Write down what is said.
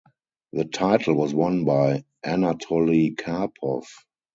The title was won by Anatoly Karpov.